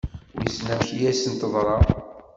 Wissen amek i asen-teḍra?